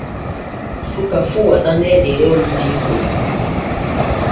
Suka fu waɗanee ɗerewol dinŋol.